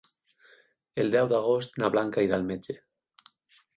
El deu d'agost na Blanca irà al metge.